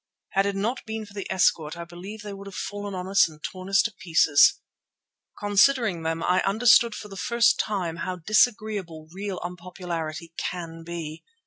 Had it not been for the escort I believe they would have fallen on us and torn us to pieces. Considering them I understood for the first time how disagreeable real unpopularity can be.